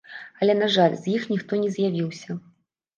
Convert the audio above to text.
Але на жаль, з іх ніхто не з'явіўся.